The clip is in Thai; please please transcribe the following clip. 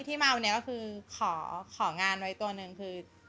ที่เมาเนี่ยก็คือของานไว้ตัวหนึ่งคือ